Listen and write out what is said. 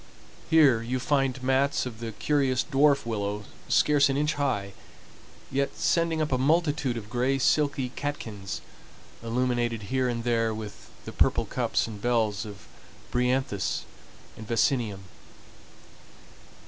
Here you find mats of the curious dwarf willow scarce an inch high, yet sending up a multitude of gray silky catkins, illumined here and there with, the purple cups and bells of bryanthus and vaccinium.